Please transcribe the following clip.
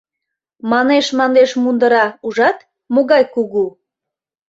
Манеш-манеш мундыра, ужат, могай кугу.